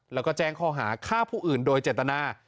แล้วก็แจ้งข้อหาฆ่าผู้อื่นโดยเจตนา